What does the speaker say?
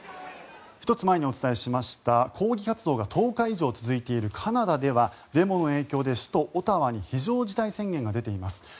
１つ前にお伝えしました抗議活動が１０日以上続いているカナダではデモの影響で首都オワタに非常事態宣言が出ています。